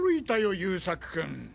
優作君。